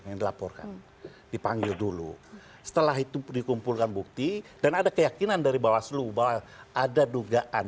ap expansitas biru setelah itu berikutnya bukti dan ada keyakinan dari bawah selu bahwa ada dugaan